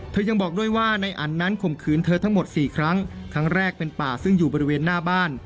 ยังบอกด้วยว่าในอันนั้นข่มขืนเธอทั้งหมดสี่ครั้งครั้งแรกเป็นป่าซึ่งอยู่บริเวณหน้าบ้าน